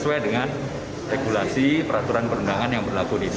sesuai dengan regulasi peraturan perundangan yang berlaku di sini